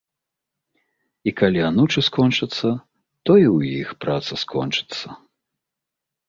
І калі анучы скончацца, то і ў іх праца скончыцца.